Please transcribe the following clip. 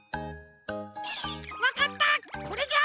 わかったこれじゃあ！